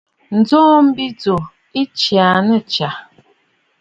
Ǹjoo mbi jù ɨ tsyà nii aa tsyà.